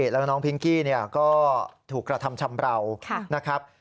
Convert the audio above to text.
แล้วน้องพิงกี้ก็ถูกกระทำชำราวนะครับ